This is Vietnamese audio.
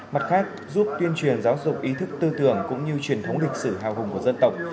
mặt khác giúp tuyên truyền giáo dục ý thức tư tưởng cũng như truyền thống lịch sử hào hùng của dân tộc